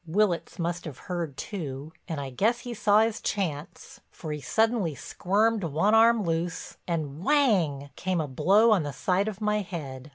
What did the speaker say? Willitts must have heard too, and I guess he saw his chance, for he suddenly squirmed one arm loose, and whang! came a blow on the side of my head.